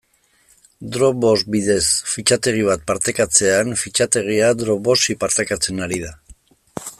Dropbox bidez fitxategi bat partekatzean, fitxategia Dropboxi partekatzen ari da.